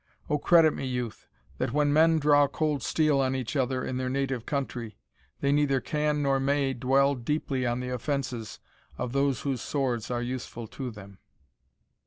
O credit me, youth, that when men draw cold steel on each other in their native country, they neither can nor may dwell deeply on the offences of those whose swords are useful to them."